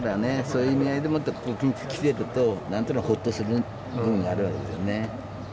そういう意味合いでもってここ来てると何となくほっとする部分あるわけですよね。